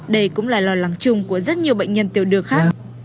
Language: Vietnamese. đây cũng là lo lắng chung của rất nhiều bệnh nhân tiểu đường khác